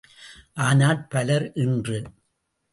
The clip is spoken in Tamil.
ஆனால் பலர் இன்று.